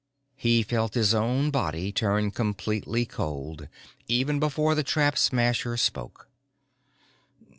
He felt his own body turn completely cold even before the Trap Smasher spoke.